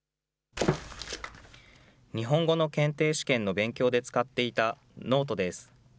日本語の検定試験の勉強で使っていたノートです。